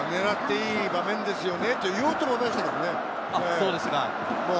狙っていい場面ですよねって言おうと思いましたからね。